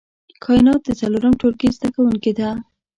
کاينات د څلورم ټولګي زده کوونکې ده